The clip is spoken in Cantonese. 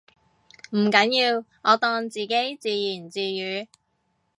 唔緊要，我當自己自言自語